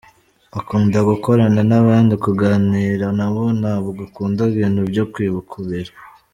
Akunda gukorana n’abandi kuganira nabo, ntabwo akunda ibintu byo kwikubira.